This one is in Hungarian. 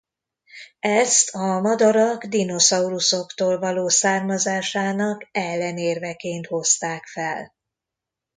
Ezt a madarak dinoszauruszoktól való származásának ellenérveként hozták fel.